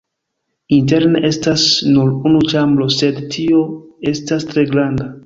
Interne estas nur unu ĉambro, sed tio estas tre granda.